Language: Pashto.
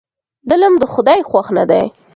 ظلم د خدای خوښ نه دی.